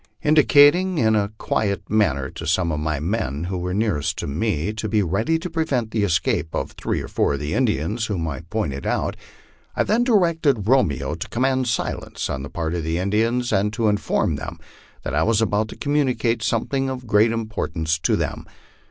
In dicating in a quiet manner to some of my men who were nearest to me to be ready to prevent the escape of three or four of the Indians whom I pointed out, I then directed Romeo to command silence on the part of the Indians, and to inform them that I was about to communicate something of great import ance to them.